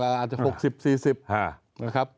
อาจจะ๖๐๔๐